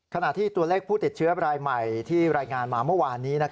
ขณะที่ตัวเลขผู้ติดเชื้อรายใหม่ที่รายงานมาเมื่อวานนี้